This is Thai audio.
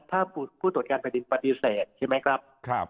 ถ้าผู้ตรวจการแผ่นดินปฏิเสธใช่ไหมครับ